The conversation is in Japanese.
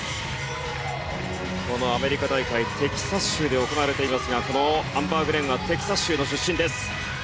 このアメリカ大会テキサス州で行われていますがこのアンバー・グレンはテキサス州の出身です。